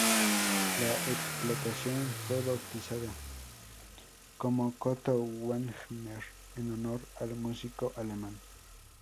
La explotación fue bautizada como Coto Wagner en honor al músico alemán.